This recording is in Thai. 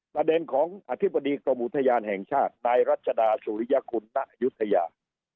ประเด็นของอธิบดีกรมอุทยานแห่งชาตินายรัชดาสุริยคุณณยุธยา